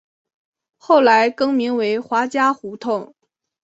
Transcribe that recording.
后来更名为华嘉胡同。